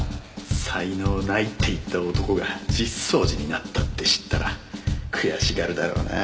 才能ないって言った男が実相寺になったって知ったら悔しがるだろうな。